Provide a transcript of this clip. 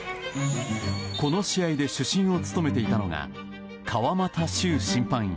この試合で主審を務めていたのが川俣秀審判員。